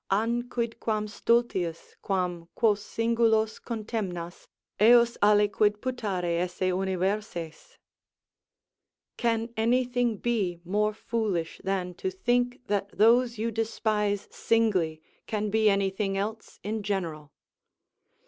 "An quidquam stultius, quam, quos singulos contemnas, eos aliquid putare esse universes?" ["Can anything be more foolish than to think that those you despise singly, can be anything else in general."